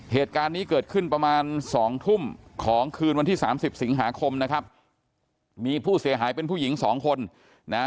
เหตุการณ์นี้เกิดขึ้นประมาณสองทุ่มของคืนวันที่สามสิบสิงหาคมนะครับมีผู้เสียหายเป็นผู้หญิงสองคนนะ